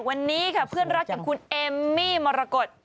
วันนี้เพื่อนรักกับคุณเอมมี่มรกฏ